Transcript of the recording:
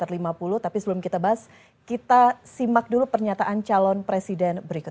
movie jahroh yeswwwchannach takwhat emang kamu pasti getting kalon presiden arrogant